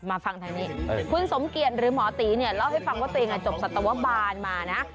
ฟังทางนี้คุณสมเกียจหรือหมอตีเนี่ยเล่าให้ฟังว่าตัวเองจบสัตวบาลมานะ